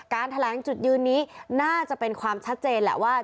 แถลงจุดยืนนี้น่าจะเป็นความชัดเจนแหละว่า